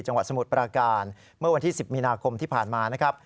จังหวัดสมุทรปราการเมื่อวันที่๑๐มีนาคมที่ผ่านมา